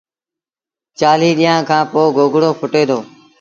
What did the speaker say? چآليٚه ڏيݩهآݩ کآݩ پو گوگڙو ڦُٽي دو